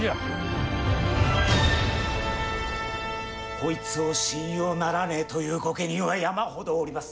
こいつを信用ならねえという御家人は山ほどおります。